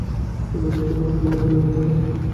তিনি আধ্যাত্বিক অভিজ্ঞতার মাধ্যম বিমেোহিত করেন।